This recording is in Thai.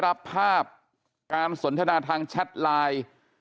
รับภาพการสนทนาทางแชทไลน์